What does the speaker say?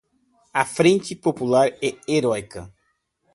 A Frente Popular é heroica